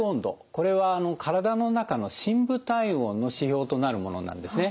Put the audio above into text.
これは体の中の深部体温の指標となるものなんですね。